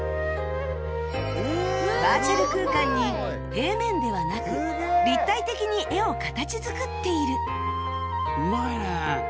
バーチャル空間に平面ではなく立体的に絵を形作っている